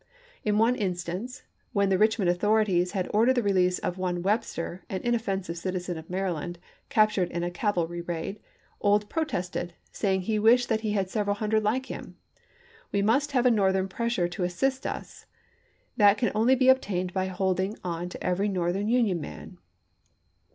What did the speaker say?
In one instance, when the Richmond authorities had ordered the release of one Webster, an inoffensive citizen of Maryland, captured in a cavalry raid, Ould protested, saying he wished he had several hundred like him :" We must have a Northern pressure to assist us ; that can only be obtained by holding on to every Northern Union man."